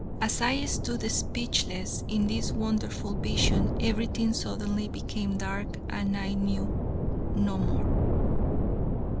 As I stood speechless at this wonderful vision everything suddenly became dark and I knew no more.